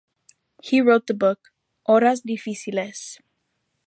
He wrote the book “Horas difíciles.”